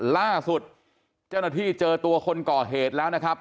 ล่าสุดเจ้าหน้าที่เจอตัวคนก่อเหตุแล้วนะครับ